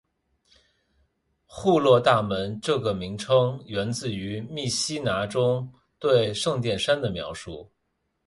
户勒大门这个名称源自于密西拿中对圣殿山的描述。